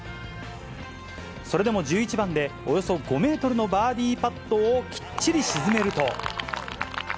それでも１１番で、およそ５メートルのバーディーパットをきっちり沈めると。